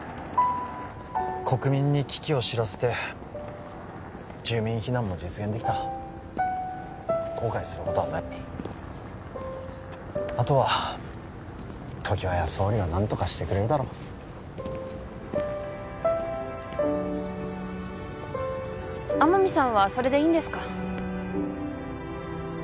国民に危機を知らせて住民避難も実現できた後悔することはないあとは常盤や総理が何とかしてくれるだろう天海さんはそれでいいんですか？